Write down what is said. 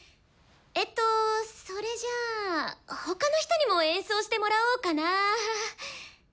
えっとそれじゃあ他の人にも演奏してもらおうかな。